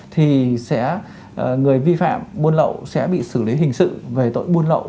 thì người vi phạm buôn lậu sẽ bị xử lý hình sự về tội buôn lậu